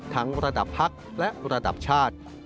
ระดับพักและระดับชาติ